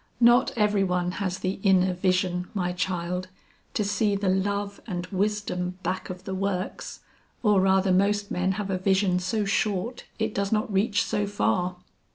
"Not every one has the inner vision, my child, to see the love and wisdom back of the works, or rather most men have a vision so short it does not reach so far.